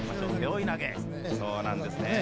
そうなんですね。